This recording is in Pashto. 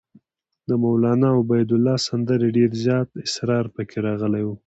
د مولنا عبیدالله سندي ډېر زیات اسرار پکې راغلي وو.